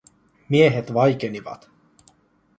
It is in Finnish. Miehet vaikenivat.